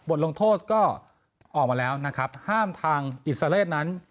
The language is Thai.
ลงโทษก็ออกมาแล้วนะครับห้ามทางอิสราเลสนั้น